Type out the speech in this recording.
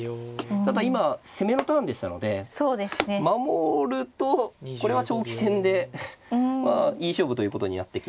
ただ今攻めのターンでしたので守るとこれは長期戦でまあいい勝負ということになってきますので。